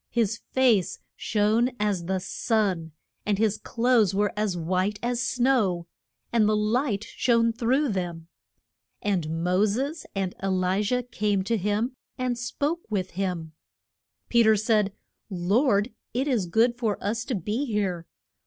His face shone as the sun, and his clothes were as white as snow, and the light shone through them. And Mo ses and E li jah came to him, and spoke with him. Pe ter said, Lord, it is good for us to be here.